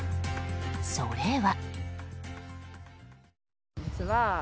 それは。